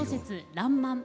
「らんまん」。